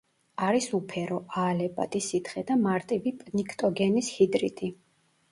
არის უფერო, აალებადი სითხე და მარტივი პნიქტოგენის ჰიდრიდი.